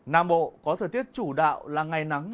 nam bộ có thời tiết chủ đạo là ngày nắng